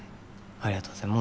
ありがとうございます。